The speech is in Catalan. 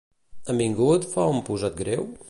En Vingut fa un posat greu?